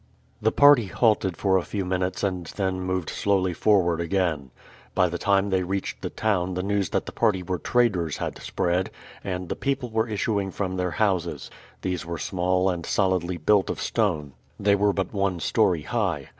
The party halted for a few minutes and then moved slowly forward again. By the time they reached the town the news that the party were traders had spread, and the people were issuing from their houses. These were small and solidly built of stone. They were but one story high.